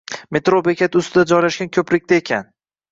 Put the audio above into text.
Metro bekati ustida joylashgan ko‘prikda ekan